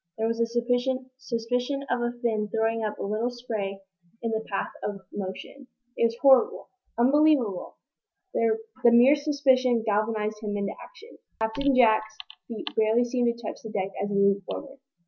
There was a suspicion of a fin throwing up a little spray in the path of motion. It was horrible unbelievable! The mere suspicion galvanized him into action. Captain Jack's feet barely seemed to touch the deck as he leaped forward.